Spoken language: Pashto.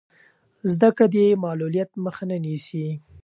زده کړه د معلولیت مخه نه نیسي.